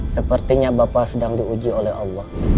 sepertinya bapak sedang diuji oleh allah